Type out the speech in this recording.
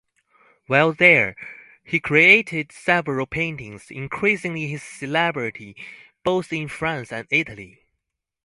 While there, he created several paintings, increasing his celebrity both in France and Italy.